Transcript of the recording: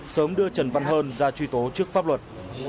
sớm đưa trần văn hơn ra truy tố trước pháp luật